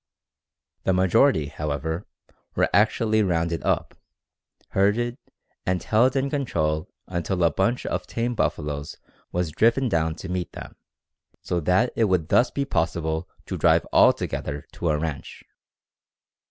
The majority, however, were actually "rounded up," herded, and held in control until a bunch of tame buffaloes was driven down to meet them, so that it would thus be possible to drive all together to a ranch.